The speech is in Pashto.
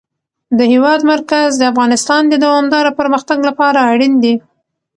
د هېواد مرکز د افغانستان د دوامداره پرمختګ لپاره اړین دي.